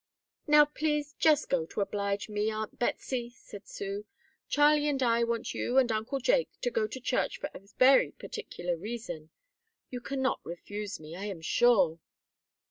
"Now please just go to oblige me, Aunt Betsey," said Sue; "Charlie and I want you and Uncle Jake to go to church for a very particular reason. You can not refuse me, I am sure."